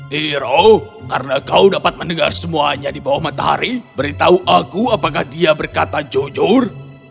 hero karena kau dapat mendengar semuanya di bawah matahari beritahu aku apakah dia berkata jujur